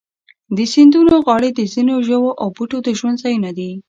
د سیندونو غاړې د ځینو ژوو او بوټو د ژوند ځایونه دي.